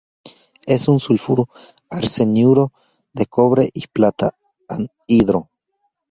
Es un sulfuro arseniuro de cobre y plata, anhidro.